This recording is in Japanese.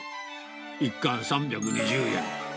１貫３２０円。